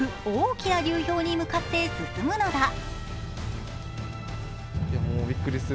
大きな流氷に向かって進むのだ。